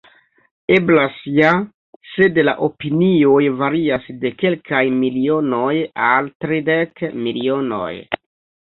Eblas ja, sed la opinioj varias de kelkaj milionoj al tridek milionoj!